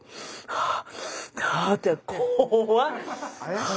ああ。